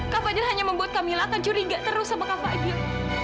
kak fadil hanya membuat kamila akan curiga terus sama kak fadil